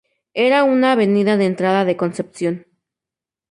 Era una avenida de entrada de Concepción.